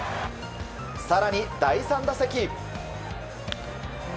更に、第３打席。